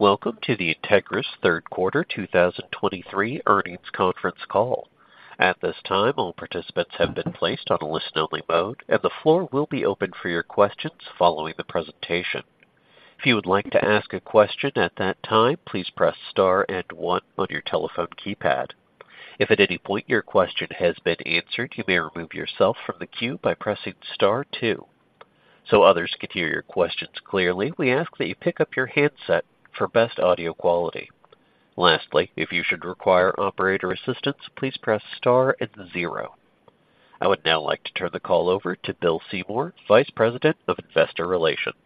Welcome to the Entegris Q3 2023 earnings conference call. At this time, all participants have been placed on a listen-only mode, and the floor will be open for your questions following the presentation. If you would like to ask a question at that time, please press star and one on your telephone keypad. If at any point your question has been answered, you may remove yourself from the queue by pressing star two. So others can hear your questions clearly, we ask that you pick up your handset for best audio quality. Lastly, if you should require operator assistance, please press star and zero. I would now like to turn the call over to Bill Seymour, Vice President of Investor Relations.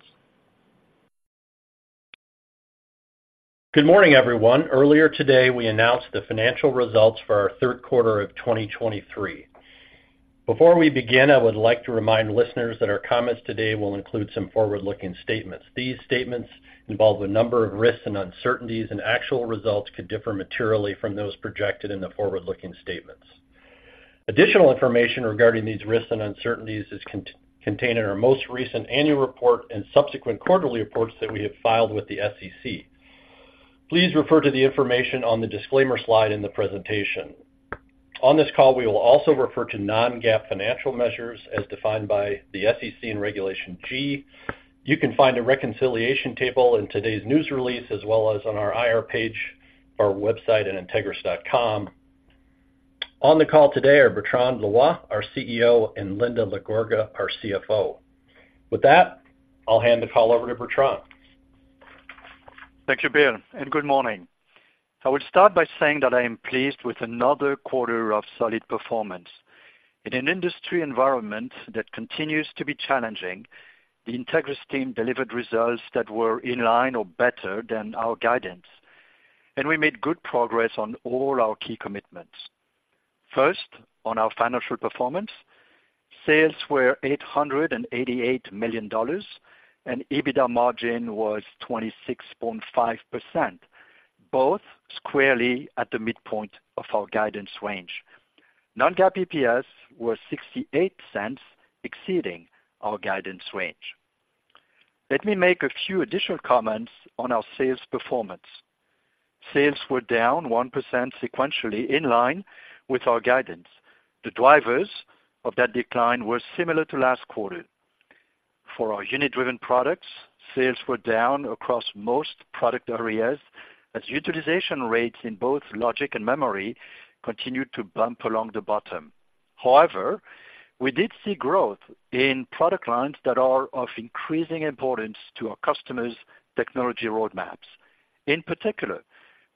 Good morning, everyone. Earlier today, we announced the financial results for our Q3 of 2023. Before we begin, I would like to remind listeners that our comments today will include some forward-looking statements. These statements involve a number of risks and uncertainties, and actual results could differ materially from those projected in the forward-looking statements. Additional information regarding these risks and uncertainties is contained in our most recent annual report and subsequent quarterly reports that we have filed with the SEC. Please refer to the information on the disclaimer slide in the presentation. On this call, we will also refer to non-GAAP financial measures as defined by the SEC and Regulation G. You can find a reconciliation table in today's news release, as well as on our IR page, our website at entegris.com. On the call today are Bertrand Loy, our CEO, and Linda LaGorga, our CFO. With that, I'll hand the call over to Bertrand. Thank you, Bill, and good morning. I would start by saying that I am pleased with another quarter of solid performance. In an industry environment that continues to be challenging, the Entegris team delivered results that were in line or better than our guidance, and we made good progress on all our key commitments. First, on our financial performance, sales were $888 million, and EBITDA margin was 26.5%, both squarely at the midpoint of our guidance range. Non-GAAP EPS was $0.68, exceeding our guidance range. Let me make a few additional comments on our sales performance. Sales were down 1% sequentially in line with our guidance. The drivers of that decline were similar to last quarter. For our unit-driven products, sales were down across most product areas as utilization rates in both logic and memory continued to bump along the bottom. However, we did see growth in product lines that are of increasing importance to our customers' technology roadmaps. In particular,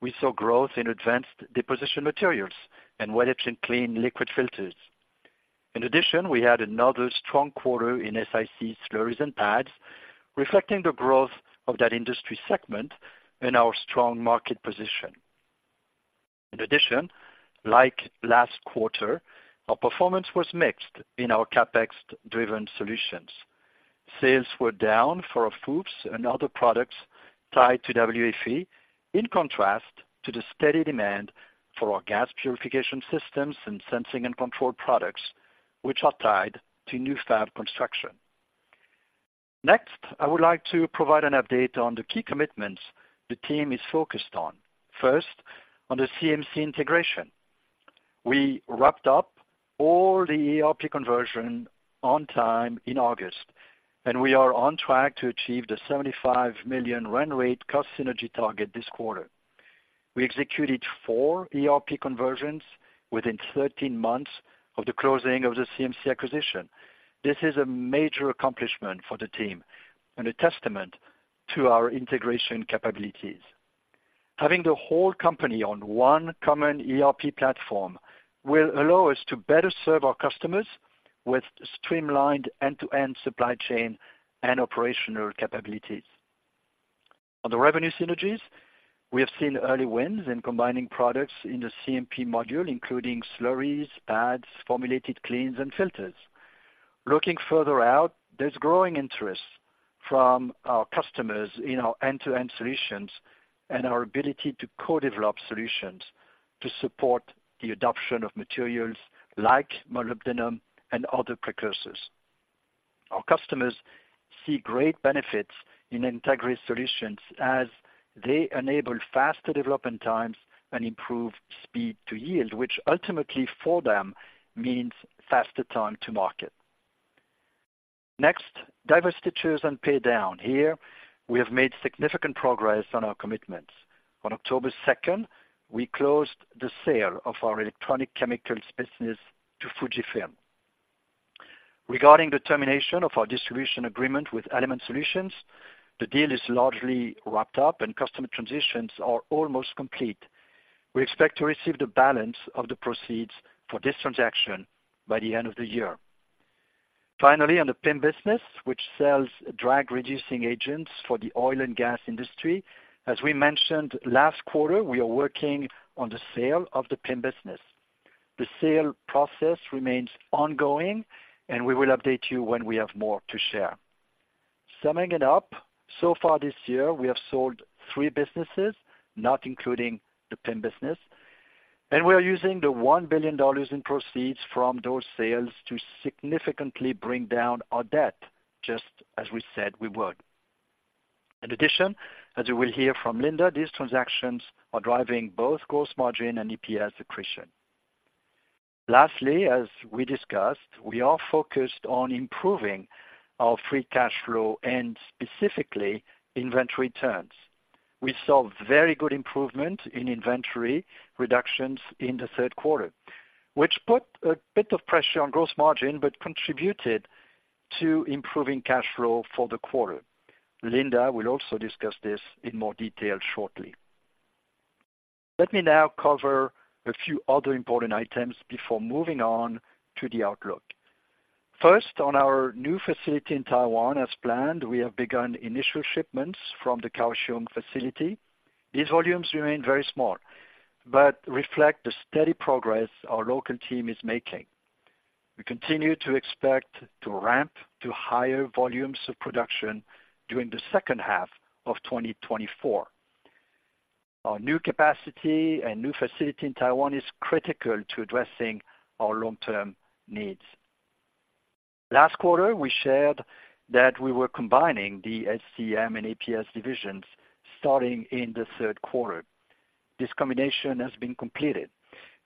we saw growth in advanced deposition materials and wet and clean liquid filters. In addition, we had another strong quarter in SiC slurries and pads, reflecting the growth of that industry segment and our strong market position. In addition, like last quarter, our performance was mixed in our CapEx-driven solutions. Sales were down for our FOUPs and other products tied to WFE, in contrast to the steady demand for our gas purification systems and sensing and control products, which are tied to new fab construction. Next, I would like to provide an update on the key commitments the team is focused on. First, on the CMC Integration. We wrapped up all the ERP conversion on time in August, and we are on track to achieve the $75 million run rate cost synergy target this quarter. We executed four ERP conversions within 13 months of the closing of the CMC acquisition. This is a major accomplishment for the team and a testament to our integration capabilities. Having the whole company on one common ERP platform will allow us to better serve our customers with streamlined end-to-end supply chain and operational capabilities. On the revenue synergies, we have seen early wins in combining products in the CMP module, including slurries, pads, formulated cleans, and filters. Looking further out, there's growing interest from our customers in our end-to-end solutions and our ability to co-develop solutions to support the adoption of materials like molybdenum and other precursors. Our customers see great benefits in Entegris solutions as they enable faster development times and improve speed to yield, which ultimately for them means faster time to market. Next, divestitures and pay down. Here, we have made significant progress on our commitments. On October 2, we closed the sale of our electronic chemicals business to Fujifilm. Regarding the termination of our distribution agreement with Element Solutions, the deal is largely wrapped up and customer transitions are almost complete. We expect to receive the balance of the proceeds for this transaction by the end of the year. Finally, on the PIM business, which sells drag-reducing agents for the oil and gas industry. As we mentioned last quarter, we are working on the sale of the PIM business. The sale process remains ongoing, and we will update you when we have more to share. Summing it up, so far this year, we have sold three businesses, not including the PIM business. We are using the $1 billion in proceeds from those sales to significantly bring down our debt, just as we said we would. In addition, as you will hear from Linda, these transactions are driving both gross margin and EPS accretion. Lastly, as we discussed, we are focused on improving our free cash flow and specifically inventory turns. We saw very good improvement in inventory reductions in the Q3, which put a bit of pressure on gross margin, but contributed to improving cash flow for the quarter. Linda will also discuss this in more detail shortly. Let me now cover a few other important items before moving on to the outlook. First, on our new facility in Taiwan, as planned, we have begun initial shipments from the Kaohsiung facility. These volumes remain very small, but reflect the steady progress our local team is making. We continue to expect to ramp to higher volumes of production during the H2 of 2024. Our new capacity and new facility in Taiwan is critical to addressing our long-term needs. Last quarter, we shared that we were combining the SCEM and APS divisions starting in the Q3. This combination has been completed.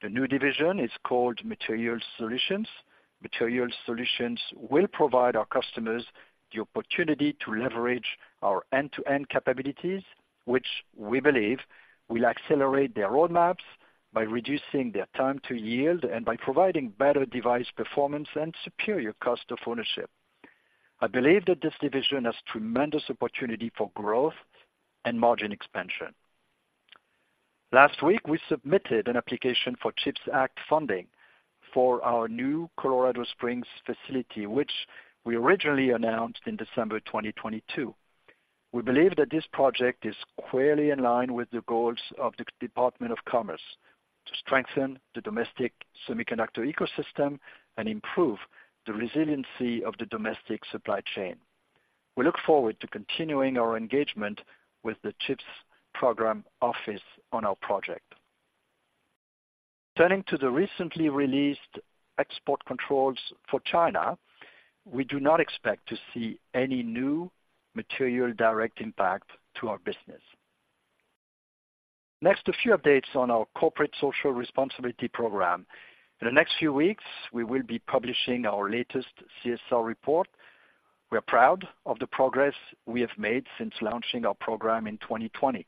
The new division is called Material Solutions. Material Solutions will provide our customers the opportunity to leverage our end-to-end capabilities, which we believe will accelerate their roadmaps by reducing their time to yield and by providing better device performance and superior cost of ownership. I believe that this division has tremendous opportunity for growth and margin expansion. Last week, we submitted an application for CHIPS Act funding for our new Colorado Springs facility, which we originally announced in December 2022. We believe that this project is clearly in line with the goals of the Department of Commerce to strengthen the domestic semiconductor ecosystem and improve the resiliency of the domestic supply chain. We look forward to continuing our engagement with the CHIPS Program Office on our project. Turning to the recently released export controls for China, we do not expect to see any new material direct impact to our business. Next, a few updates on our corporate social responsibility program. In the next few weeks, we will be publishing our latest CSR report. We are proud of the progress we have made since launching our program in 2020,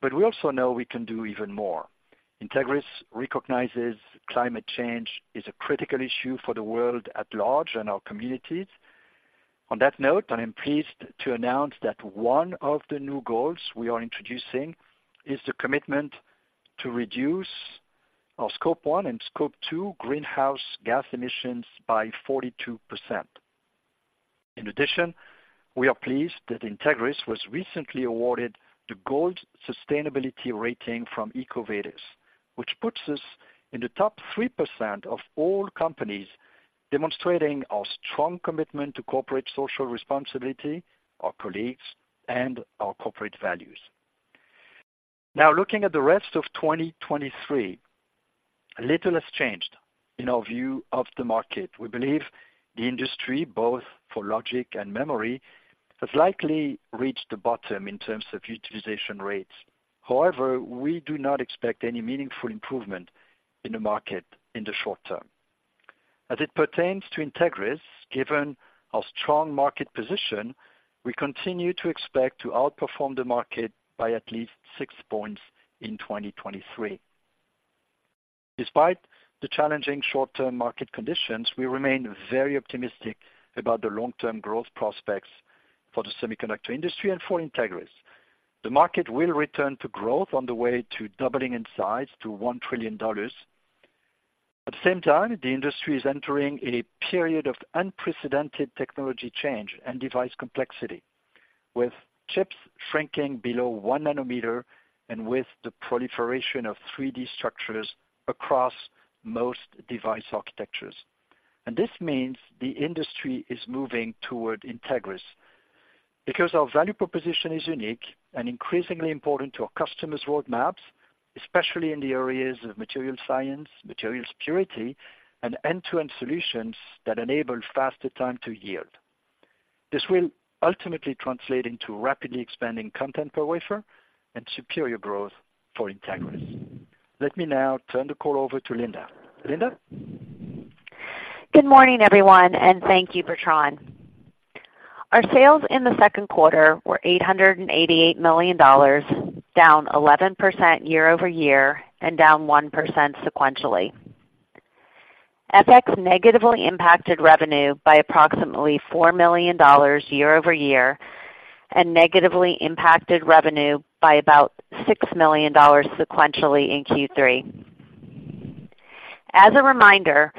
but we also know we can do even more. Entegris recognizes climate change is a critical issue for the world at large and our communities. On that note, I am pleased to announce that one of the new goals we are introducing is the commitment to reduce our Scope 1 and Scope 2 greenhouse gas emissions by 42%. In addition, we are pleased that Entegris was recently awarded the Gold Sustainability Rating from EcoVadis, which puts us in the top 3% of all companies, demonstrating our strong commitment to corporate social responsibility, our colleagues, and our corporate values. Now, looking at the rest of 2023, little has changed in our view of the market. We believe the industry, both for logic and memory, has likely reached the bottom in terms of utilization rates. However, we do not expect any meaningful improvement in the market in the short term. As it pertains to Entegris, given our strong market position, we continue to expect to outperform the market by at least six points in 2023. Despite the challenging short-term market conditions, we remain very optimistic about the long-term growth prospects for the semiconductor industry and for Entegris. The market will return to growth on the way to doubling in size to $1 trillion. At the same time, the industry is entering a period of unprecedented technology change and device complexity, with chips shrinking below 1nm and with the proliferation of 3D structures across most device architectures. This means the industry is moving toward Entegris because our value proposition is unique and increasingly important to our customers' roadmaps, especially in the areas of material science, materials purity, and end-to-end solutions that enable faster time to yield. This will ultimately translate into rapidly expanding content per wafer and superior growth for Entegris. Let me now turn the call over to Linda. Linda? Good morning, everyone, and thank you, Bertrand. Our sales in the Q2 were $888 million, down 11% year-over-year and down 1% sequentially. FX negatively impacted revenue by approximately $4 million year-over-year and negatively impacted revenue by about $6 million sequentially in Q3. As a reminder,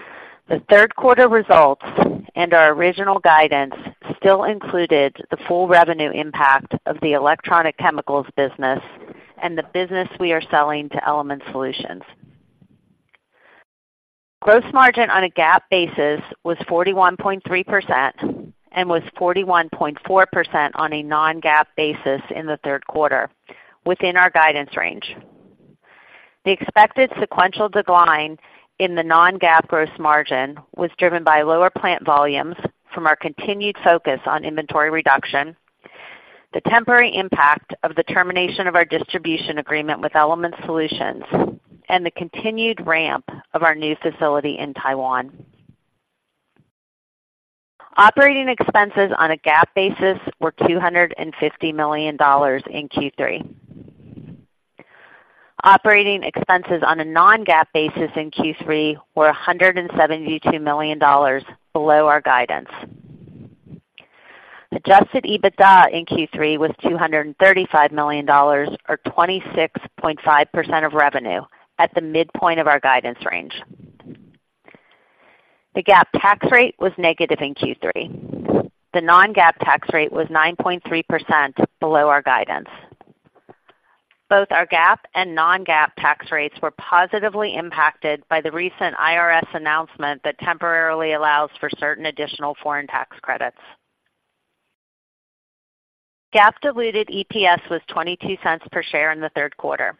the Q3 results and our original guidance still included the full revenue impact of the electronic chemicals business and the business we are selling to Element Solutions.... Gross margin on a GAAP basis was 41.3% and was 41.4% on a non-GAAP basis in the Q3, within our guidance range. The expected sequential decline in the non-GAAP gross margin was driven by lower plant volumes from our continued focus on inventory reduction, the temporary impact of the termination of our distribution agreement with Element Solutions, and the continued ramp of our new facility in Taiwan. Operating expenses on a GAAP basis were $250 million in Q3. Operating expenses on a non-GAAP basis in Q3 were $172 million, below our guidance. Adjusted EBITDA in Q3 was $235 million, or 26.5% of revenue at the midpoint of our guidance range. The GAAP tax rate was negative in Q3. The non-GAAP tax rate was 9.3%, below our guidance. Both our GAAP and non-GAAP tax rates were positively impacted by the recent IRS announcement that temporarily allows for certain additional foreign tax credits. GAAP diluted EPS was $0.22 per share in the Q3.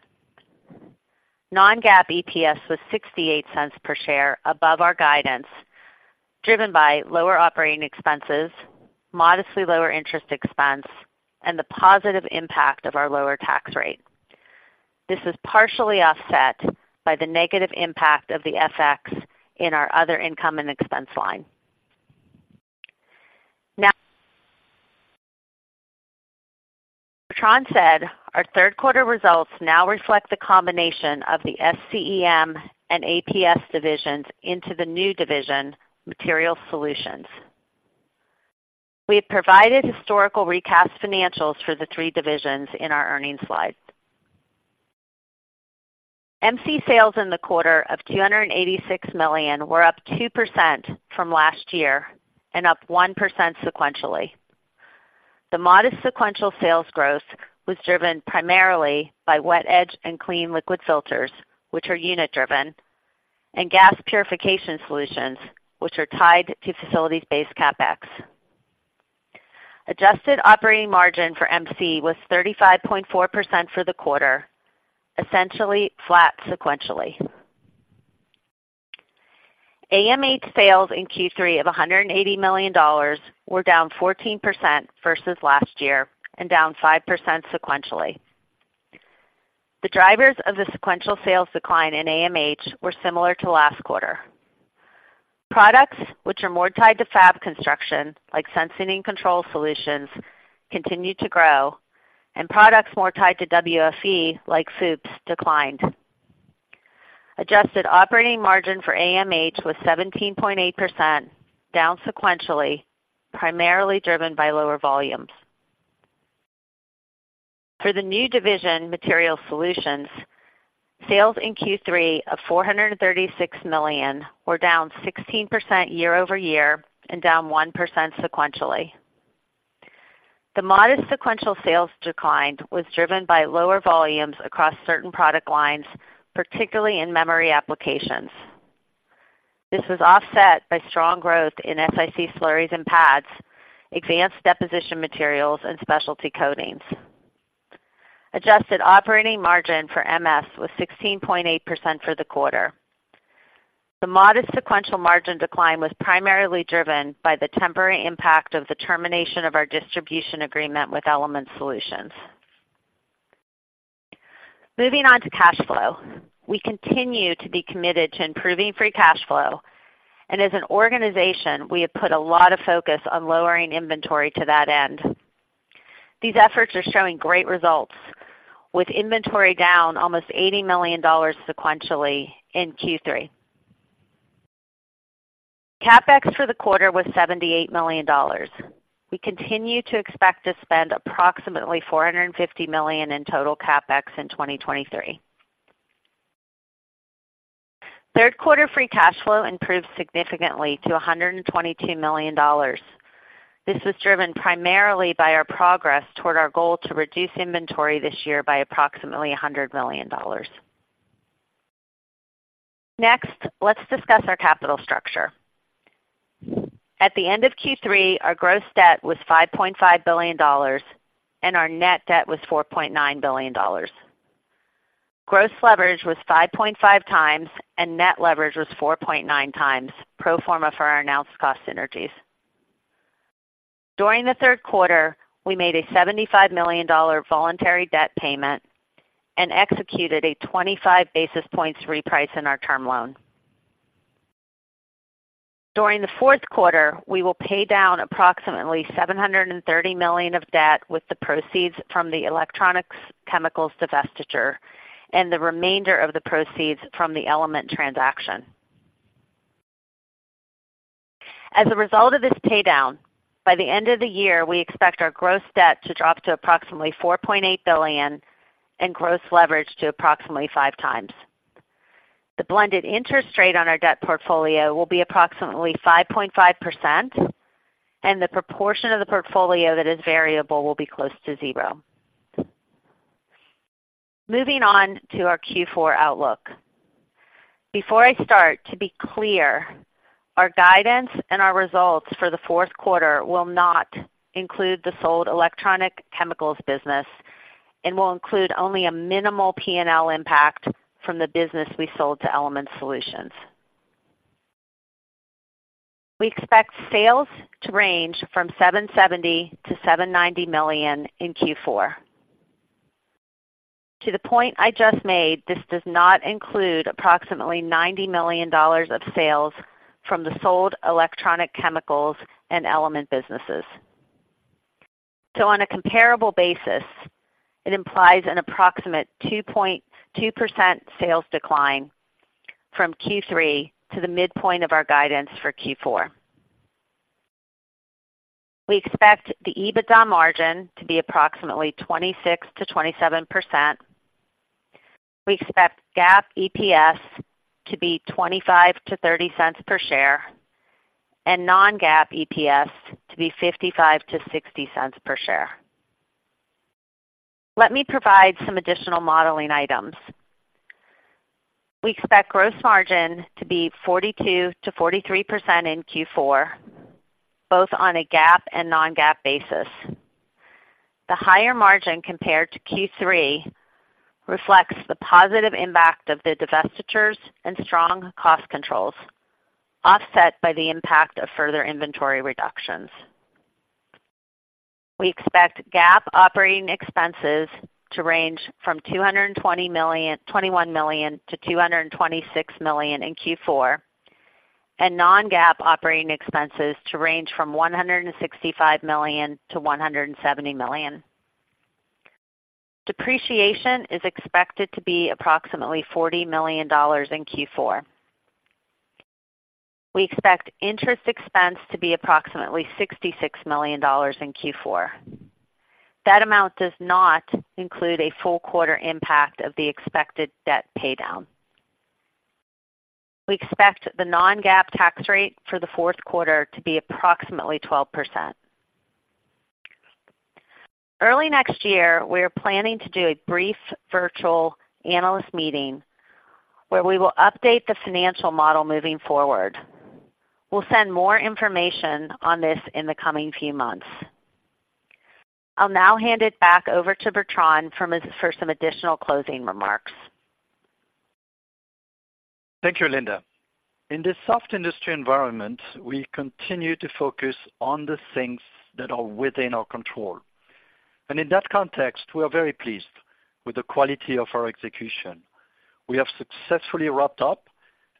Non-GAAP EPS was $0.68 per share above our guidance, driven by lower operating expenses, modestly lower interest expense, and the positive impact of our lower tax rate. This is partially offset by the negative impact of the FX in our other income and expense line. Now, as Bertrand said, our third quarter results now reflect the combination of the SCEM and APS divisions into the new division, Material Solutions. We have provided historical recast financials for the three divisions in our earnings slides. MC sales in the quarter of $286 million were up 2% from last year and up 1% sequentially. The modest sequential sales growth was driven primarily by wet edge and clean liquid filters, which are unit driven, and gas purification solutions, which are tied to facilities-based CapEx. Adjusted operating margin for MC was 35.4% for the quarter, essentially flat sequentially. AMH sales in Q3 of $180 million were down 14% versus last year and down 5% sequentially. The drivers of the sequential sales decline in AMH were similar to last quarter. Products, which are more tied to fab construction, like sensing and control solutions, continued to grow, and products more tied to WFE, like SUPS, declined. Adjusted operating margin for AMH was 17.8%, down sequentially, primarily driven by lower volumes. For the new division, Material Solutions, sales in Q3 of $436 million were down 16% year-over-year and down 1% sequentially. The modest sequential sales decline was driven by lower volumes across certain product lines, particularly in memory applications. This was offset by strong growth in SiC slurries and pads, advanced deposition materials, and specialty coatings. Adjusted operating margin for MS was 16.8% for the quarter. The modest sequential margin decline was primarily driven by the temporary impact of the termination of our distribution agreement with Element Solutions. Moving on to cash flow. We continue to be committed to improving free cash flow, and as an organization, we have put a lot of focus on lowering inventory to that end. These efforts are showing great results, with inventory down almost $80 million sequentially in Q3. CapEx for the quarter was $78 million. We continue to expect to spend approximately $450 million in total CapEx in 2023. Q3 free cash flow improved significantly to $122 million. This was driven primarily by our progress toward our goal to reduce inventory this year by approximately $100 million. Next, let's discuss our capital structure. At the end of Q3, our gross debt was $5.5 billion, and our net debt was $4.9 billion. Gross leverage was 5.5x, and net leverage was 4.9x, pro forma for our announced cost synergies. During the Q3, we made a $75 million voluntary debt payment and executed a 25 basis points reprice in our term loan. During the Q4, we will pay down approximately $730 million of debt with the proceeds from the electronics chemicals divestiture and the remainder of the proceeds from the Element transaction. As a result of this pay down, by the end of the year, we expect our gross debt to drop to approximately $4.8 billion and gross leverage to approximately 5x. The blended interest rate on our debt portfolio will be approximately 5.5%, and the proportion of the portfolio that is variable will be close to zero. Moving on to our Q4 outlook. Before I start, to be clear, our guidance and our results for the Q4 will not include the sold electronic chemicals business and will include only a minimal PNL impact from the business we sold to Element Solutions. We expect sales to range from $770 million to $790 million in Q4. To the point I just made, this does not include approximately $90 million of sales from the sold electronic chemicals and element businesses. On a comparable basis, it implies an approximate 2.2% sales decline from Q3 to the midpoint of our guidance for Q4. We expect the EBITDA margin to be approximately 26%-27%. We expect GAAP EPS to be $0.25-$0.30 per share and non-GAAP EPS to be $0.55-$0.60 per share. Let me provide some additional modeling items. We expect gross margin to be 42%-43% in Q4, both on a GAAP and non-GAAP basis. The higher margin compared to Q3 reflects the positive impact of the divestitures and strong cost controls, offset by the impact of further inventory reductions. We expect GAAP operating expenses to range from $221 million to $226 million in Q4, and non-GAAP operating expenses to range from $165 million to $170 million. Depreciation is expected to be approximately $40 million in Q4. We expect interest expense to be approximately $66 million in Q4. That amount does not include a full quarter impact of the expected debt paydown. We expect the non-GAAP tax rate for the Q4 to be approximately 12%. Early next year, we are planning to do a brief virtual analyst meeting, where we will update the financial model moving forward. We'll send more information on this in the coming few months. I'll now hand it back over to Bertrand for some additional closing remarks. Thank you, Linda. In this soft industry environment, we continue to focus on the things that are within our control. In that context, we are very pleased with the quality of our execution. We have successfully wrapped up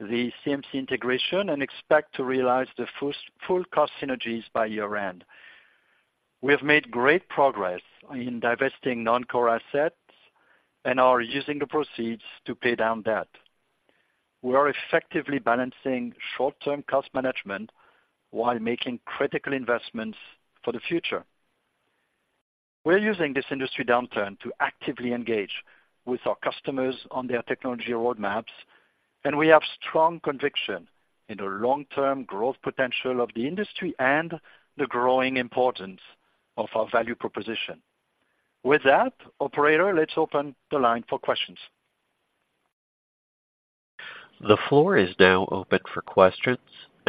the CMC integration and expect to realize the full cost synergies by year-end. We have made great progress in divesting non-core assets and are using the proceeds to pay down debt. We are effectively balancing short-term cost management while making critical investments for the future. We're using this industry downturn to actively engage with our customers on their technology roadmaps, and we have strong conviction in the long-term growth potential of the industry and the growing importance of our value proposition. With that, operator, let's open the line for questions. The floor is now open for questions.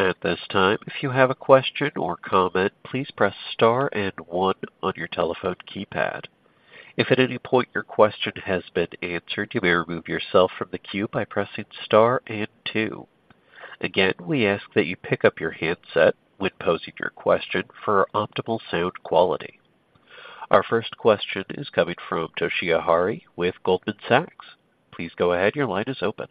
At this time, if you have a question or comment, please press Star and one on your telephone keypad. If at any point your question has been answered, you may remove yourself from the queue by pressing Star and two. Again, we ask that you pick up your handset when posing your question for optimal sound quality. Our first question is coming from Toshiya Hari with Goldman Sachs. Please go ahead. Your line is open.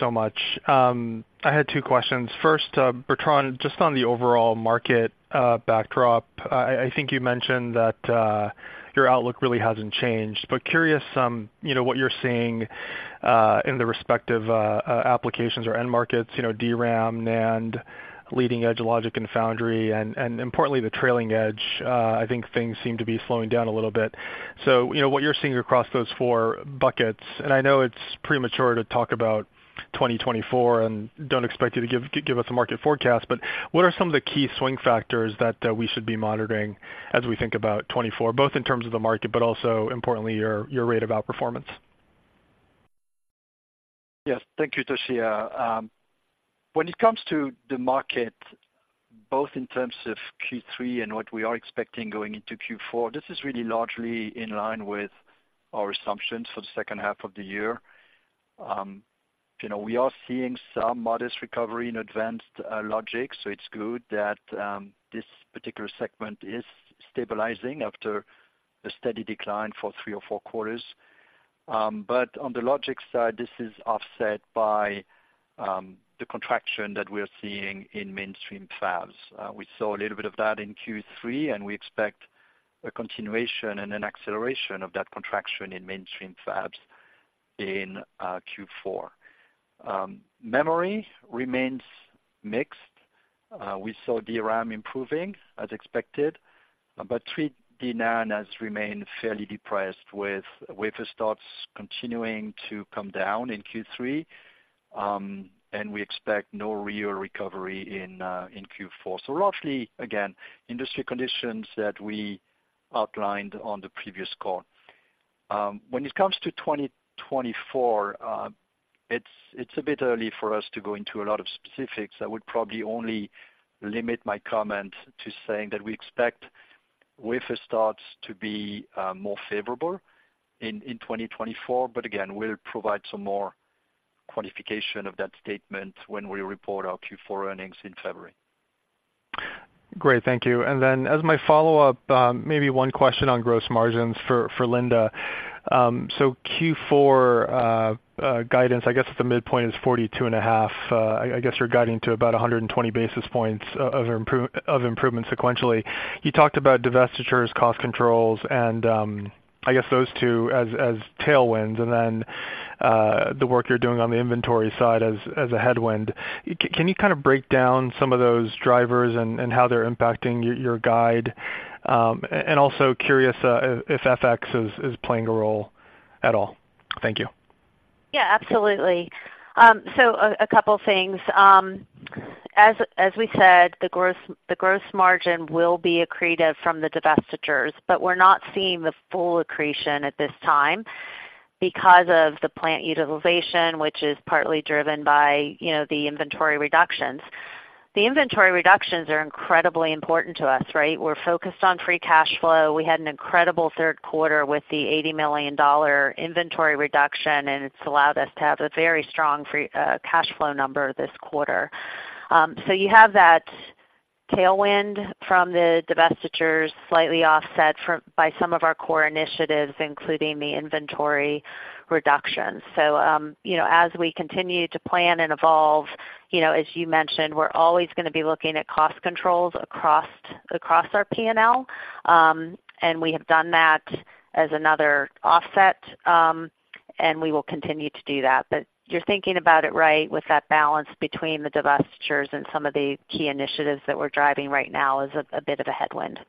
So much. I had two questions. First, Bertrand, just on the overall market, backdrop, I think you mentioned that, your outlook really hasn't changed. But curious, you know, what you're seeing, in the respective, applications or end markets, you know, DRAM, NAND, leading-edge logic and foundry, and importantly, the trailing edge. I think things seem to be slowing down a little bit. So, you know, what you're seeing across those four buckets, and I know it's premature to talk about 2024, and don't expect you to give us a market forecast, but what are some of the key swing factors that, we should be monitoring as we think about 2024, both in terms of the market, but also importantly, your rate of outperformance? Yes. Thank you, Toshiya. When it comes to the market, both in terms of Q3 and what we are expecting going into Q4, this is really largely in line with our assumptions for the H2 of the year. You know, we are seeing some modest recovery in advanced logic, so it's good that this particular segment is stabilizing after a steady decline for three or four quarters. But on the logic side, this is offset by the contraction that we're seeing in mainstream fabs. We saw a little bit of that in Q3, and we expect a continuation and an acceleration of that contraction in mainstream fabs in Q4. Memory remains mixed. We saw DRAM improving, as expected, but 3D NAND has remained fairly depressed, with wafer starts continuing to come down in Q3... and we expect no real recovery in Q4. So roughly, again, industry conditions that we outlined on the previous call. When it comes to 2024, it's a bit early for us to go into a lot of specifics. I would probably only limit my comment to saying that we expect wafer starts to be more favorable in 2024, but again, we'll provide some more quantification of that statement when we report our Q4 earnings in February. Great, thank you. And then as my follow-up, maybe one question on gross margins for Linda. So Q4 guidance, I guess, the midpoint is 42.5%. I guess you're guiding to about 120 basis points of improvement sequentially. You talked about divestitures, cost controls, and I guess those two as tailwinds, and then the work you're doing on the inventory side as a headwind. Can you kind of break down some of those drivers and how they're impacting your guide? And also curious if FX is playing a role at all. Thank you. Yeah, absolutely. So a couple things. As we said, the gross margin will be accretive from the divestitures, but we're not seeing the full accretion at this time because of the plant utilization, which is partly driven by, you know, the inventory reductions. The inventory reductions are incredibly important to us, right? We're focused on free cash flow. We had an incredible Q3 with the $80 million inventory reduction, and it's allowed us to have a very strong free cash flow number this quarter. So you have that tailwind from the divestitures slightly offset by some of our core initiatives, including the inventory reductions. So, you know, as we continue to plan and evolve, you know, as you mentioned, we're always gonna be looking at cost controls across our P&L. And we have done that as another offset, and we will continue to do that. But you're thinking about it right, with that balance between the divestitures and some of the key initiatives that we're driving right now is a bit of a headwind.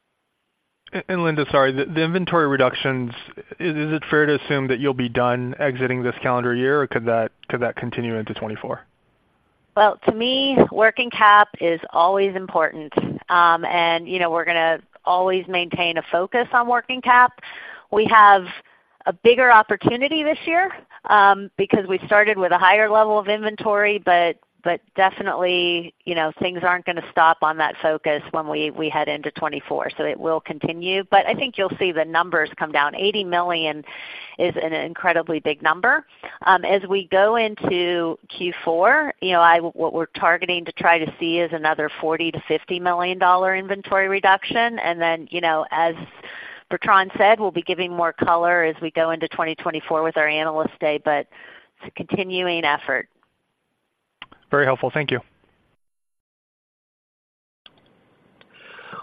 And Linda, sorry, the inventory reductions, is it fair to assume that you'll be done exiting this calendar year, or could that continue into 2024? Well, to me, working cap is always important. And, you know, we're gonna always maintain a focus on working cap. We have a bigger opportunity this year, because we started with a higher level of inventory, but, but definitely, you know, things aren't gonna stop on that focus when we, we head into 2024, so it will continue. But I think you'll see the numbers come down. $80 million is an incredibly big number. As we go into Q4, you know, what we're targeting to try to see is another $40 million-$50 million inventory reduction. And then, you know, as Bertrand said, we'll be giving more color as we go into 2024 with our Analyst Day, but it's a continuing effort. Very helpful. Thank you.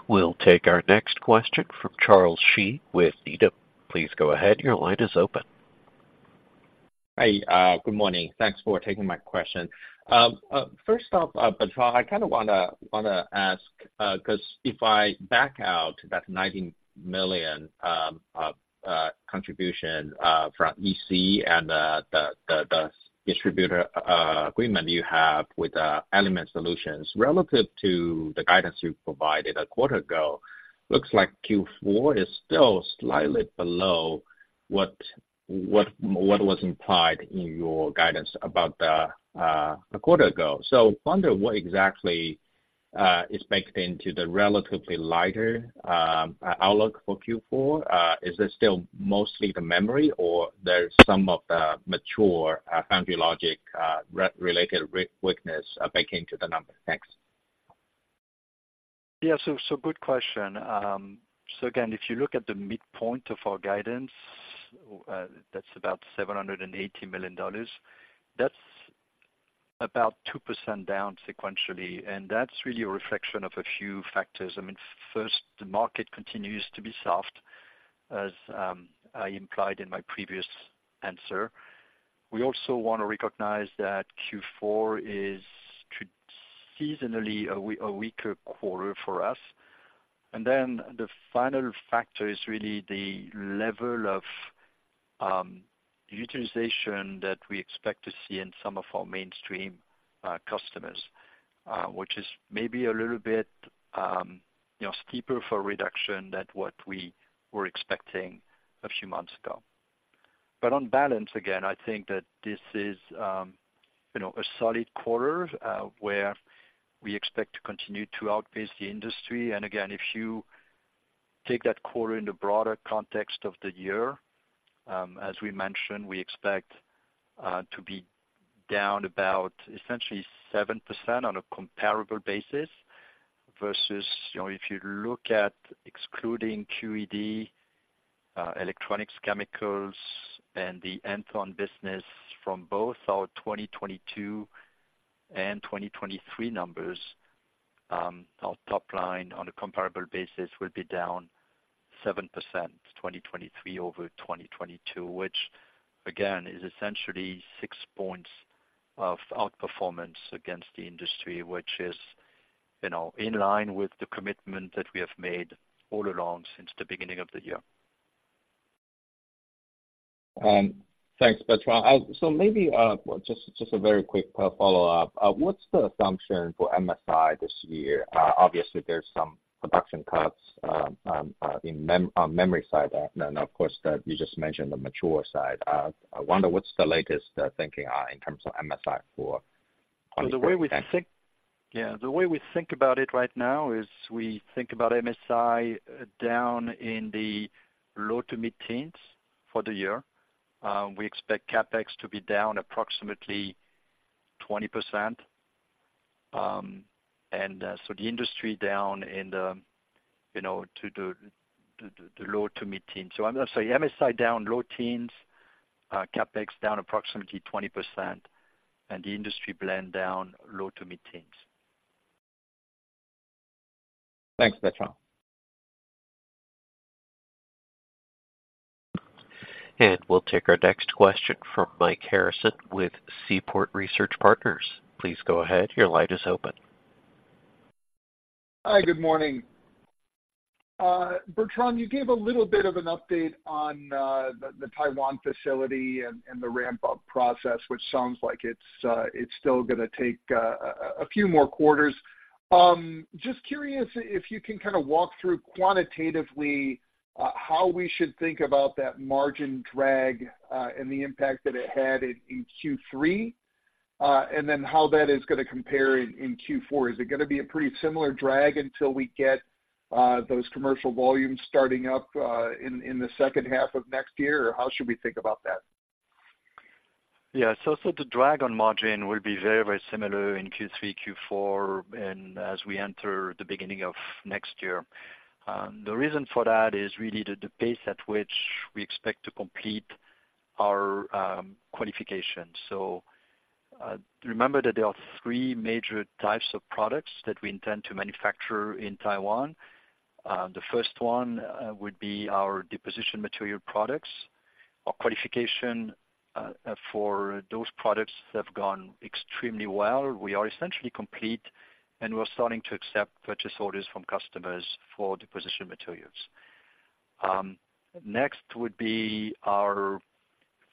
We'll take our next question from Charles Shi with. Please go ahead, your line is open. Hi, good morning. Thanks for taking my question. First off, Bertrand, I kind of wanna ask, 'cause if I back out that $90 million contribution from EC and the distributor agreement you have with Element Solutions, relative to the guidance you provided a quarter ago, looks like Q4 is still slightly below what was implied in your guidance about a quarter ago. So wonder what exactly is baked into the relatively lighter outlook for Q4? Is this still mostly the memory or there's some of the mature foundry logic related weakness baking to the number? Thanks. Yeah, so, good question. So again, if you look at the midpoint of our guidance, that's about $780 million, that's about 2% down sequentially, and that's really a reflection of a few factors. I mean, first, the market continues to be soft, as I implied in my previous answer. We also wanna recognize that Q4 is seasonally a weaker quarter for us. And then the final factor is really the level of utilization that we expect to see in some of our mainstream customers, which is maybe a little bit, you know, steeper for reduction than what we were expecting a few months ago. But on balance, again, I think that this is, you know, a solid quarter, where we expect to continue to outpace the industry. And again, if you take that quarter in the broader context of the year, as we mentioned, we expect to be down about essentially 7% on a comparable basis, versus, you know, if you look at excluding QED, Electronic Chemicals, and the Anton business from both our 2022 and 2023 numbers, our top line on a comparable basis will be down 7% 2023 over 2022, which again, is essentially six points of outperformance against the industry, which is, you know, in line with the commitment that we have made all along since the beginning of the year.... Thanks, Bertrand. So maybe just, just a very quick follow-up. What's the assumption for MSI this year? Obviously, there's some production cuts in memory side. And then, of course, you just mentioned the mature side. I wonder what's the latest thinking in terms of MSI for 2024? So the way we think about it right now is we think about MSI down in the low to mid-teens% for the year. We expect CapEx to be down approximately 20%. And so the industry down in the, you know, to the low to mid-teens%. So I'm gonna say MSI down low teens%, CapEx down approximately 20%, and the industry blend down low to mid-teens%. Thanks, Bertrand. We'll take our next question from Mike Harrison with Seaport Research Partners. Please go ahead. Your line is open. Hi, good morning. Bertrand, you gave a little bit of an update on the Taiwan facility and the ramp-up process, which sounds like it's still gonna take a few more quarters. Just curious if you can kinda walk through quantitatively how we should think about that margin drag and the impact that it had in Q3 and then how that is gonna compare in Q4. Is it gonna be a pretty similar drag until we get those commercial volumes starting up in the H2 of next year, or how should we think about that? Yeah. So the drag on margin will be very, very similar in Q3, Q4, and as we enter the beginning of next year. The reason for that is really the pace at which we expect to complete our qualification. So remember that there are three major types of products that we intend to manufacture in Taiwan. The first one would be our deposition material products. Our qualification for those products have gone extremely well. We are essentially complete, and we're starting to accept purchase orders from customers for deposition materials. Next would be our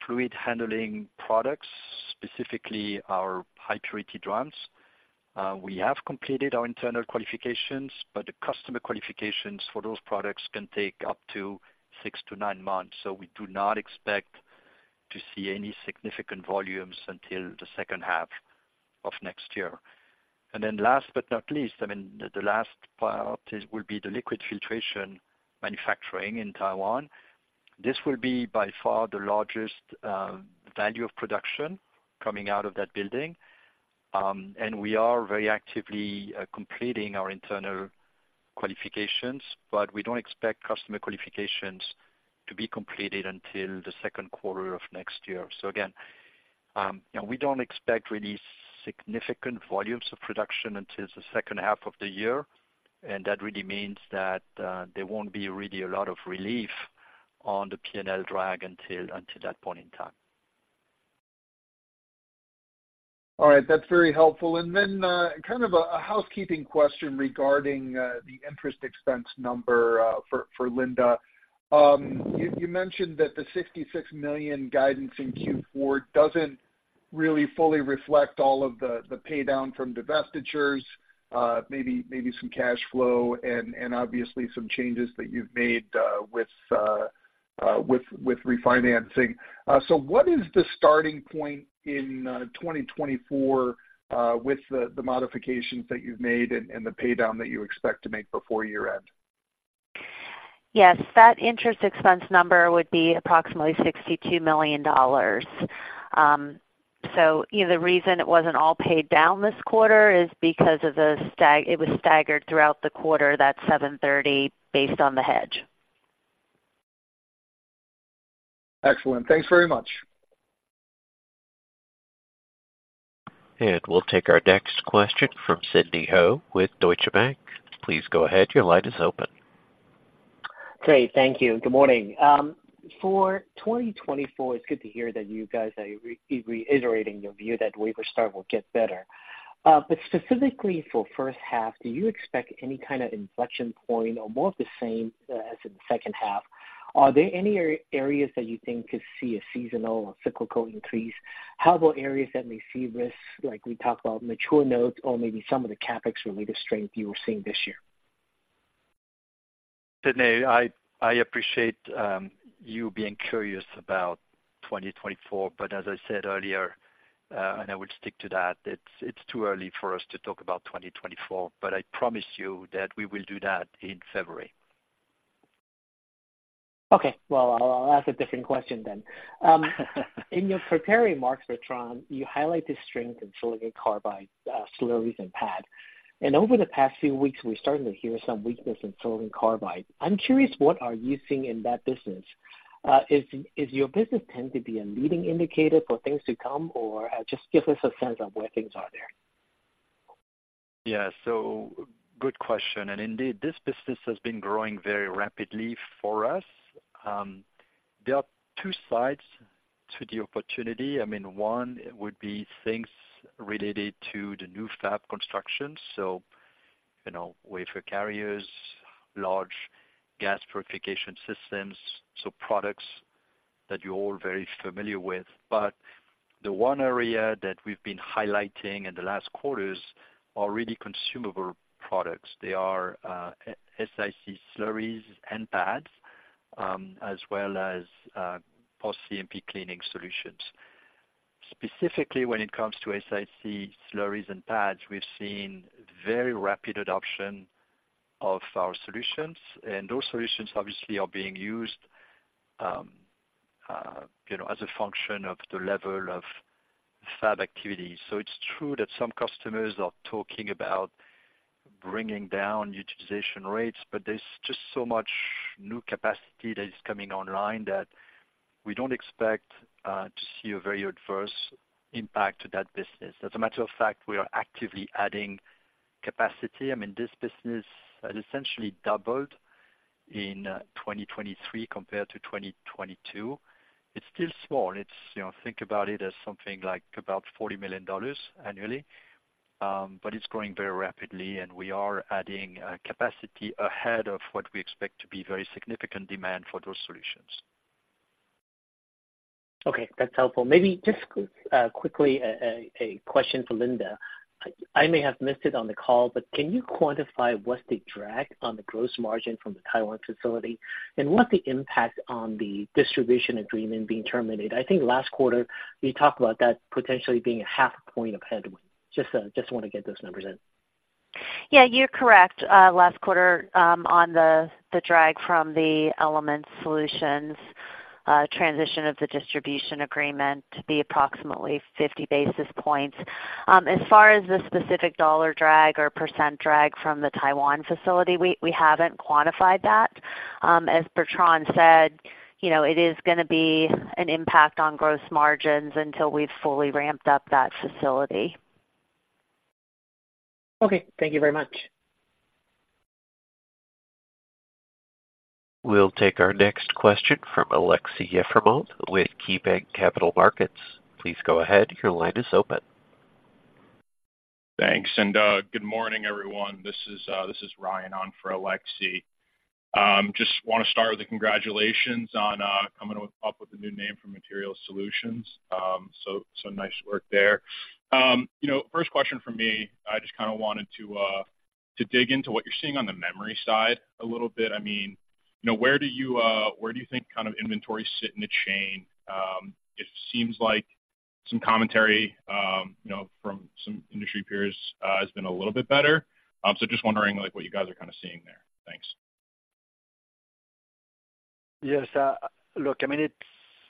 fluid handling products, specifically our high-purity drums. We have completed our internal qualifications, but the customer qualifications for those products can take up to six-nine months, so we do not expect to see any significant volumes until the H2 of next year. And then last but not least, I mean, the last part will be the liquid filtration manufacturing in Taiwan. This will be by far the largest value of production coming out of that building. And we are very actively completing our internal qualifications, but we don't expect customer qualifications to be completed until the Q2 of next year. So again, you know, we don't expect really significant volumes of production until the H2 of the year, and that really means that there won't be really a lot of relief on the P&L drag until that point in time. All right. That's very helpful. And then, kind of a housekeeping question regarding the interest expense number for Linda. You mentioned that the $66 million guidance in Q4 doesn't really fully reflect all of the pay down from divestitures, maybe some cash flow and obviously some changes that you've made with refinancing. So what is the starting point in 2024 with the modifications that you've made and the pay down that you expect to make before year-end? Yes, that interest expense number would be approximately $62 million. So, you know, the reason it wasn't all paid down this quarter is because it was staggered throughout the quarter, that 730, based on the hedge. Excellent. Thanks very much. We'll take our next question from Sidney Ho with Deutsche Bank. Please go ahead. Your line is open. Great. Thank you. Good morning. For 2024, it's good to hear that you guys are re-iterating your view that wafer start will get better. But specifically for H1, do you expect any kind of inflection point or more of the same, as in the H2? Are there any areas that you think could see a seasonal or cyclical increase? How about areas that may see risks, like we talked about mature nodes or maybe some of the CapEx-related strength you were seeing this year? Sydney, I appreciate you being curious about 2024, but as I said earlier, and I would stick to that, it's too early for us to talk about 2024, but I promise you that we will do that in February. Okay, well, I'll, I'll ask a different question then. In your prepared remarks, Bertrand, you highlight the strength in silicon carbide slurries and pad. And over the past few weeks, we're starting to hear some weakness in silicon carbide. I'm curious, what are you seeing in that business? Is your business tend to be a leading indicator for things to come, or just give us a sense of where things are there. Yeah, so good question, and indeed, this business has been growing very rapidly for us. There are two sides to the opportunity, I mean, one would be things related to the new fab construction, so, you know, wafer carriers, large gas purification systems, so products that you're all very familiar with. But the one area that we've been highlighting in the last quarters are really consumable products. They are SiC slurries and pads, as well as post CMP cleaning solutions. Specifically, when it comes to SiC slurries and pads, we've seen very rapid adoption of our solutions, and those solutions obviously are being used, you know, as a function of the level of fab activity. So it's true that some customers are talking about bringing down utilization rates, but there's just so much new capacity that is coming online that we don't expect to see a very adverse impact to that business. As a matter of fact, we are actively adding capacity. I mean, this business has essentially doubled in 2023 compared to 2022. It's still small. It's—you know, think about it as something like about $40 million annually, but it's growing very rapidly, and we are adding capacity ahead of what we expect to be very significant demand for those solutions. Okay, that's helpful. Maybe just quickly a question for Linda. I may have missed it on the call, but can you quantify what's the drag on the gross margin from the Taiwan facility? And what the impact on the distribution agreement being terminated? I think last quarter, you talked about that potentially being a half point of headwind. Just just want to get those numbers in. Yeah, you're correct. Last quarter, on the drag from the Element Solutions transition of the distribution agreement to be approximately 50 basis points. As far as the specific dollar drag or percent drag from the Taiwan facility, we haven't quantified that. As Bertrand said, you know, it is gonna be an impact on gross margins until we've fully ramped up that facility. Okay, thank you very much. We'll take our next question from Aleksey Yefremov with KeyBanc Capital Markets. Please go ahead. Your line is open. Thanks, and good morning, everyone. This is Ryan on for Aleksey. Just want to start with a congratulations on coming up with a new name for Material Solutions. So nice work there. You know, first question from me, I just kind of wanted to dig into what you're seeing on the memory side a little bit. I mean, you know, where do you think kind of inventory sit in the chain? It seems like some commentary, you know, from some industry peers has been a little bit better. So just wondering, like, what you guys are kind of seeing there. Thanks. Yes, look, I mean,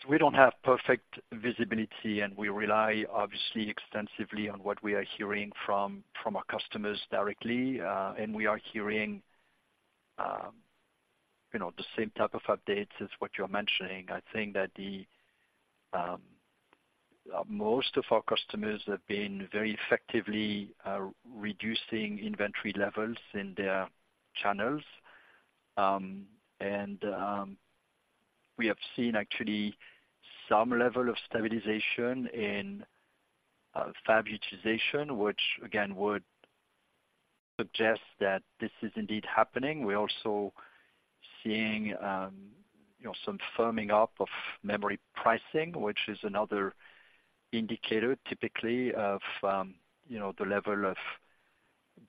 we don't have perfect visibility, and we rely, obviously, extensively on what we are hearing from our customers directly. And we are hearing, you know, the same type of updates as what you're mentioning. I think that the most of our customers have been very effectively reducing inventory levels in their channels. And we have seen actually some level of stabilization in fab utilization, which again, would suggest that this is indeed happening. We're also seeing, you know, some firming up of memory pricing, which is another indicator, typically, of you know, the level of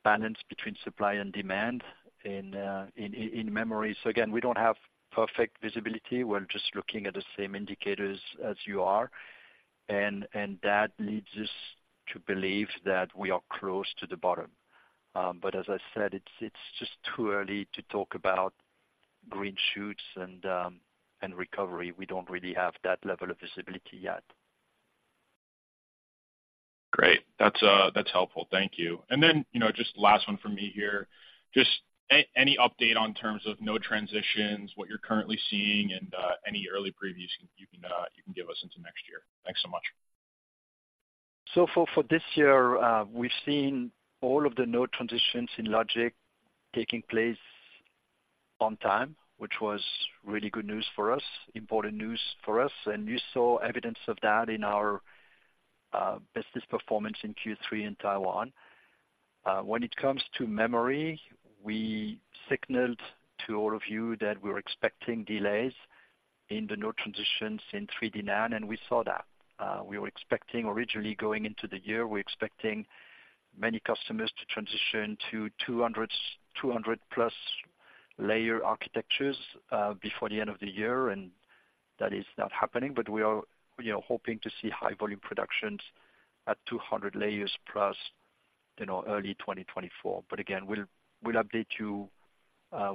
balance between supply and demand in memory. So again, we don't have perfect visibility. We're just looking at the same indicators as you are, and that leads us to believe that we are close to the bottom. But as I said, it's just too early to talk about green shoots and recovery. We don't really have that level of visibility yet. Great. That's helpful. Thank you. And then, you know, just last one from me here. Just any update on terms of no transitions, what you're currently seeing, and any early previews you can give us into next year? Thanks so much. So for this year, we've seen all of the node transitions in Logic taking place on time, which was really good news for us, important news for us, and you saw evidence of that in our business performance in Q3 in Taiwan. When it comes to memory, we signaled to all of you that we were expecting delays in the node transitions in 3D NAND, and we saw that. We were expecting originally going into the year, we were expecting many customers to transition to 200, 200-plus layer architectures before the end of the year, and that is not happening. But we are hoping to see high volume productions at 200 layers plus, you know, early 2024. But again, we'll update you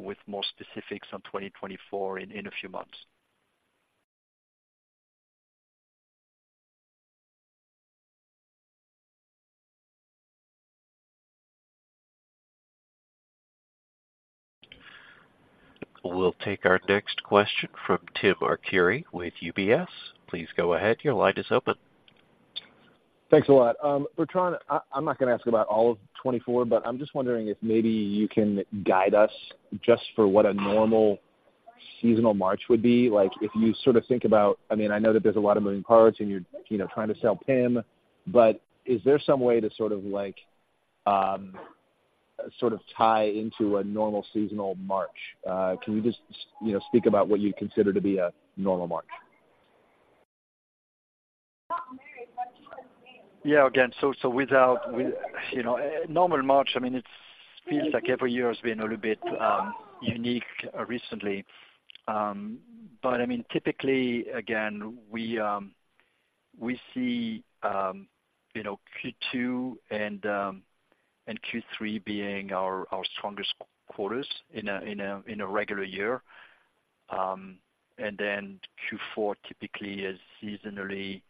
with more specifics on 2024 in a few months. We'll take our next question from Tim Arcuri with UBS. Please go ahead. Your line is open. ... Thanks a lot. Bertrand, I, I'm not gonna ask about all of 2024, but I'm just wondering if maybe you can guide us just for what a normal seasonal March would be. Like, if you sort of think about, I mean, I know that there's a lot of moving parts, and you're, you know, trying to sell PIM, but is there some way to sort of like, sort of tie into a normal seasonal March? Can you just, you know, speak about what you'd consider to be a normal March? Yeah, again, so without with, you know, a normal March, I mean, it's feels like every year has been a little bit unique recently. But I mean, typically, again, we see, you know, Q2 and Q3 being our strongest quarters in a regular year. And then Q4 typically is seasonally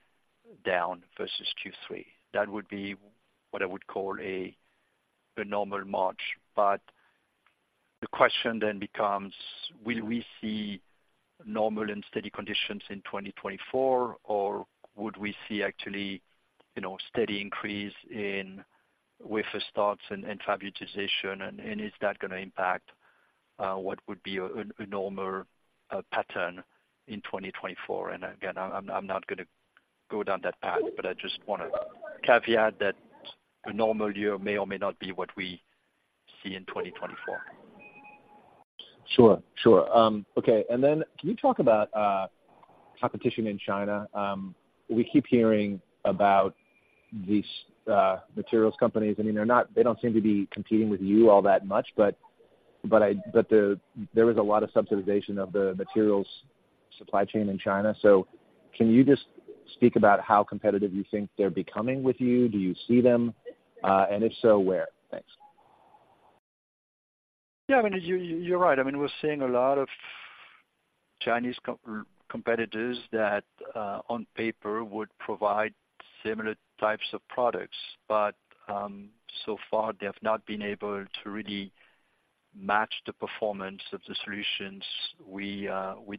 down versus Q3. That would be what I would call a normal March. But the question then becomes: will we see normal and steady conditions in 2024, or would we see actually, you know, steady increase in with the starts and fab utilization, and is that gonna impact what would be a normal pattern in 2024? And again, I'm not gonna go down that path, but I just wanna caveat that a normal year may or may not be what we see in 2024. Sure, sure. Okay, and then can you talk about, competition in China? We keep hearing about these, materials companies. I mean, they're not. They don't seem to be competing with you all that much, but there is a lot of subsidization of the materials supply chain in China. So can you just speak about how competitive you think they're becoming with you? Do you see them, and if so, where? Thanks. Yeah, I mean, you, you're right. I mean, we're seeing a lot of Chinese competitors that, on paper, would provide similar types of products. But, so far, they have not been able to really match the performance of the solutions we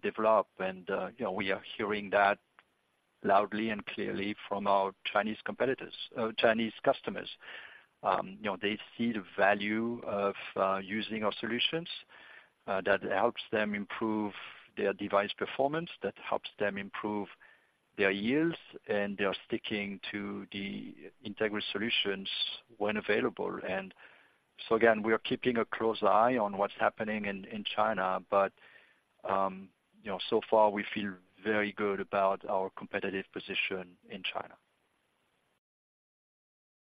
develop. And, you know, we are hearing that loudly and clearly from our Chinese competitors, Chinese customers. You know, they see the value of using our solutions, that helps them improve their device performance, that helps them improve their yields, and they are sticking to the Entegris solutions when available. And so again, we are keeping a close eye on what's happening in China, but, you know, so far we feel very good about our competitive position in China.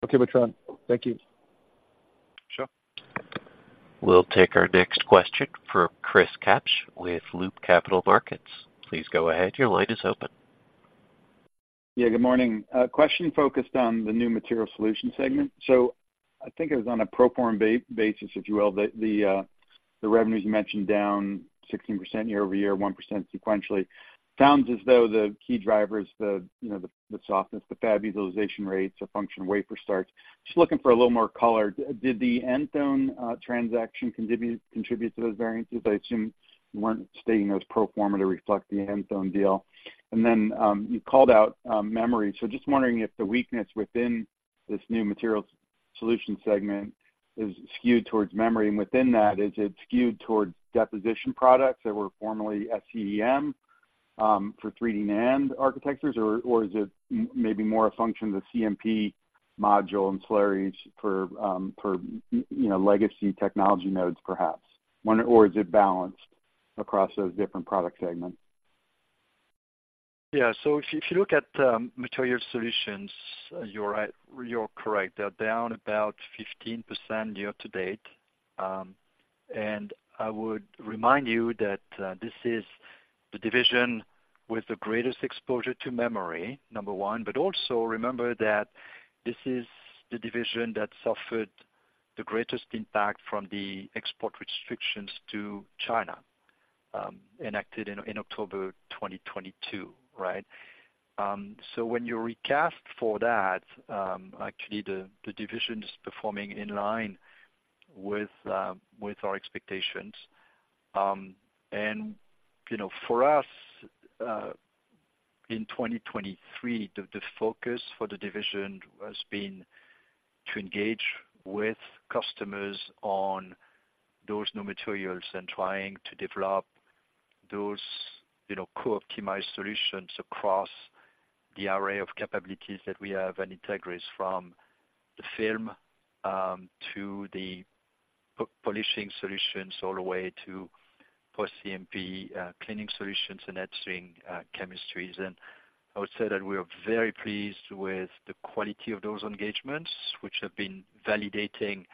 Okay, Bertrand. Thank you. Sure. We'll take our next question from Chris Kapsch with Loop Capital Markets. Please go ahead, your line is open. Yeah, good morning. A question focused on the new Material Solutions segment. I think it was on a pro forma basis, if you will, the revenues mentioned down 16% year-over-year, 1% sequentially. Sounds as though the key drivers, you know, the softness, the fab utilization rates, or function wafer starts. Just looking for a little more color. Did the Antone transaction contribute to those variances? I assume you weren't stating those pro forma to reflect the end time deal. You called out, you know, memory. So just wondering if the weakness within this new Material Solutions segment is skewed towards memory, and within that, is it skewed towards deposition products that were formerly at CEM for 3D NAND architectures, or is it maybe more a function of the CMP module and slurries for you know legacy technology nodes, perhaps? Or is it balanced across those different product segments? Yeah. So if you, if you look at Material Solutions, you're right, you're correct. They're down about 15% year to date. And I would remind you that this is the division with the greatest exposure to memory, number one, but also remember that this is the division that suffered the greatest impact from the export restrictions to China, enacted in October 2022, right? So when you recast for that, actually the division is performing in line with our expectations. And, you know, for us, in 2023, the focus for the division has been to engage with customers on those new materials and trying to develop those, you know, co-optimized solutions across the array of capabilities that we have at Entegris, from the film to the polishing solutions, all the way to post-CMP cleaning solutions and etching chemistries. And I would say that we are very pleased with the quality of those engagements, which have been validating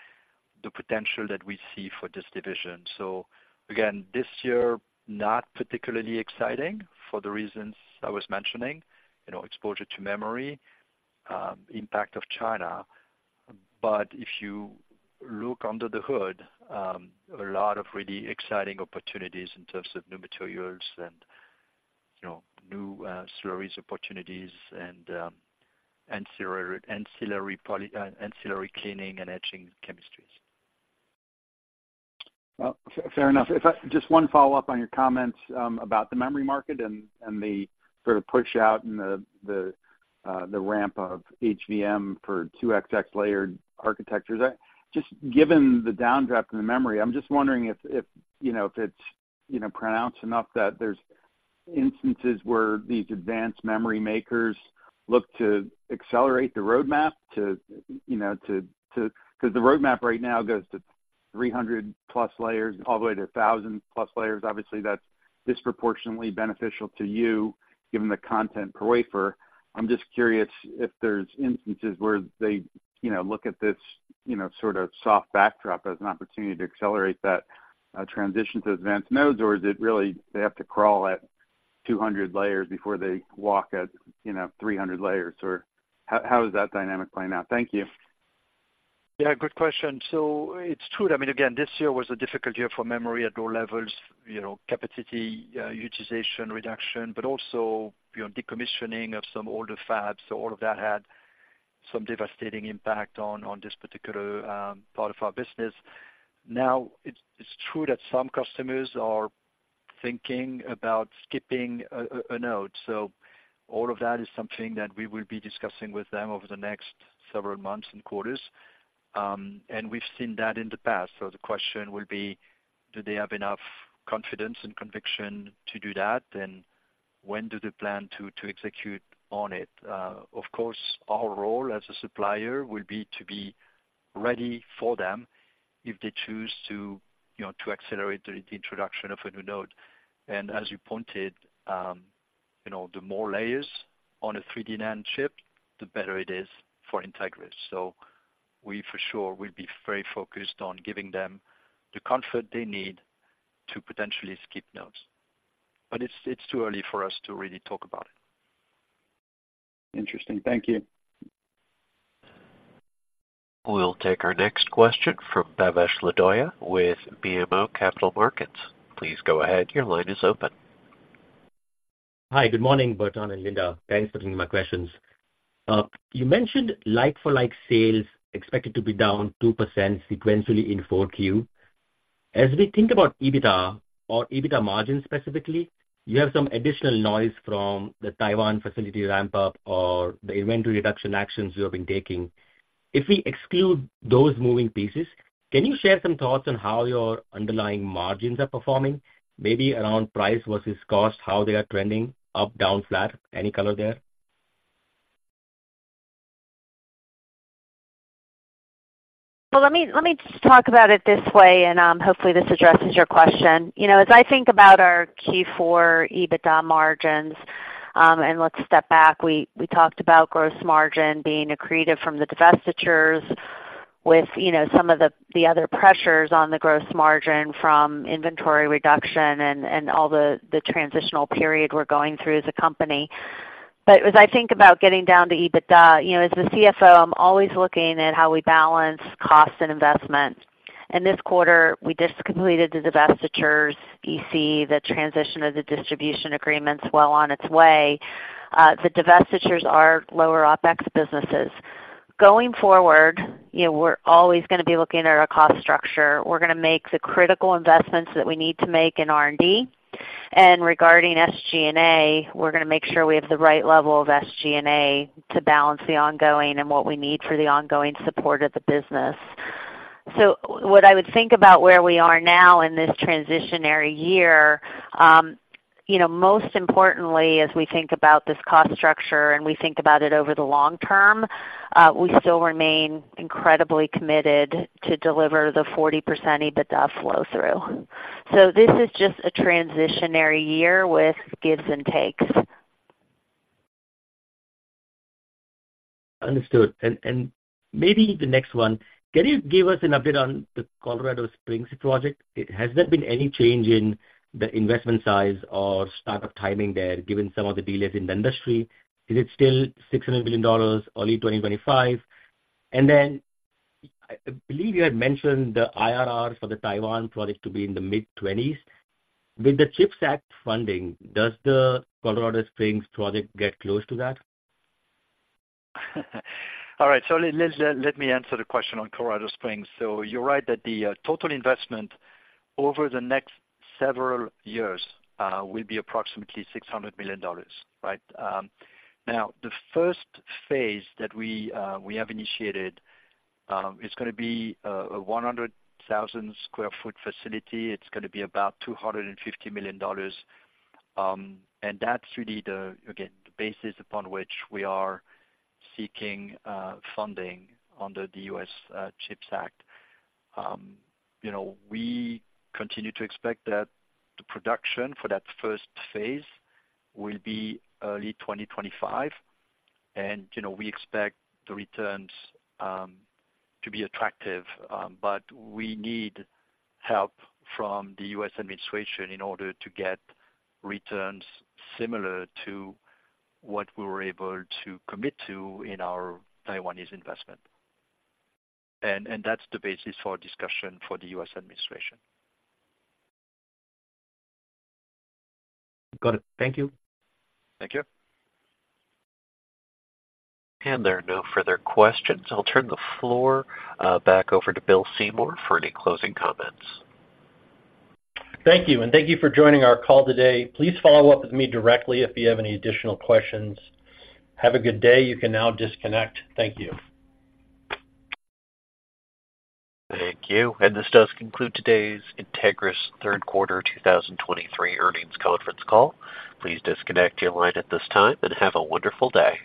the potential that we see for this division. So again, this year, not particularly exciting for the reasons I was mentioning, you know, exposure to memory, impact of China. But if you look under the hood, a lot of really exciting opportunities in terms of new materials and, you know, new slurries opportunities and ancillary cleaning and etching chemistries.... Well, fair enough. If I just one follow-up on your comments about the memory market and the sort of push out and the ramp of HVM for 2XX layered architectures. Just given the downdraft in the memory, I'm just wondering if you know if it's you know pronounced enough that there's instances where these advanced memory makers look to accelerate the roadmap to you know to 'cause the roadmap right now goes to 300+ layers all the way to 1,000+ layers. Obviously, that's disproportionately beneficial to you, given the content per wafer. I'm just curious if there's instances where they, you know, look at this, you know, sort of soft backdrop as an opportunity to accelerate that transition to advanced nodes, or is it really they have to crawl at 200 layers before they walk at, you know, 300 layers? Or how, how is that dynamic playing out? Thank you. Yeah, good question. So it's true that, I mean, again, this year was a difficult year for memory at all levels, you know, capacity, utilization, reduction, but also, you know, decommissioning of some older fabs. So all of that had some devastating impact on this particular part of our business. Now, it's true that some customers are thinking about skipping a node. So all of that is something that we will be discussing with them over the next several months and quarters. And we've seen that in the past. So the question will be: do they have enough confidence and conviction to do that? And when do they plan to execute on it? Of course, our role as a supplier will be to be ready for them if they choose to, you know, to accelerate the introduction of a new node. And as you pointed, you know, the more layers on a 3D NAND chip, the better it is for Entegris. So we, for sure, will be very focused on giving them the comfort they need to potentially skip nodes. But it's too early for us to really talk about it. Interesting. Thank you. We'll take our next question from Bhavesh Lodaya with BMO Capital Markets. Please go ahead. Your line is open. Hi, good morning, Bertrand and Linda. Thanks for taking my questions. You mentioned like-for-like sales expected to be down 2% sequentially in Q4. As we think about EBITDA or EBITDA margins, specifically, you have some additional noise from the Taiwan facility ramp up or the inventory reduction actions you have been taking. If we exclude those moving pieces, can you share some thoughts on how your underlying margins are performing, maybe around price versus cost, how they are trending up, down, flat? Any color there? Well, let me, let me just talk about it this way, and, hopefully, this addresses your question. You know, as I think about our Q4 EBITDA margins, and let's step back, we talked about gross margin being accretive from the divestitures with, you know, some of the other pressures on the gross margin from inventory reduction and all the transitional period we're going through as a company. But as I think about getting down to EBITDA, you know, as the CFO, I'm always looking at how we balance cost and investment. And this quarter, we just completed the divestitures, you see the transition of the distribution agreements well on its way. The divestitures are lower OpEx businesses. Going forward, you know, we're always gonna be looking at our cost structure. We're gonna make the critical investments that we need to make in R&D. Regarding SG&A, we're gonna make sure we have the right level of SG&A to balance the ongoing and what we need for the ongoing support of the business. So what I would think about where we are now in this transitionary year, you know, most importantly, as we think about this cost structure and we think about it over the long term, we still remain incredibly committed to deliver the 40% EBITDA flow through. So this is just a transitionary year with gives and takes. Understood. And maybe the next one, can you give us an update on the Colorado Springs project? Has there been any change in the investment size or startup timing there, given some of the delays in the industry? Is it still $600 million, early 2025? And then I believe you had mentioned the IRR for the Taiwan project to be in the mid-20s. With the CHIPS Act funding, does the Colorado Springs project get close to that? All right, so let me answer the question on Colorado Springs. So you're right that the total investment over the next several years will be approximately $600 million, right? Now, the first phase that we have initiated is gonna be a 100,000 sq ft facility. It's gonna be about $250 million. And that's really the, again, the basis upon which we are seeking funding under the U.S. CHIPS Act. You know, we continue to expect that the production for that first phase will be early 2025, and, you know, we expect the returns to be attractive. But we need help from the U.S. administration in order to get returns similar to what we were able to commit to in our Taiwanese investment. And that's the basis for discussion for the U.S. administration. Got it. Thank you. Thank you. There are no further questions. I'll turn the floor back over to Bill Seymour for any closing comments. Thank you, and thank you for joining our call today. Please follow up with me directly if you have any additional questions. Have a good day. You can now disconnect. Thank you. Thank you. This does conclude today's Entegris Q3 2023 earnings conference call. Please disconnect your line at this time, and have a wonderful day.